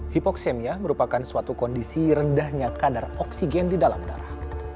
hipoksemia merupakan suatu kondisi rendahnya kadar oksigen di dalam darah